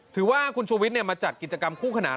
ถือว่าคุณชูวิทย์มาจัดกิจกรรมคู่ขนาน